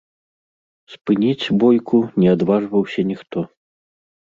Спыніць бойку не адважваўся ніхто.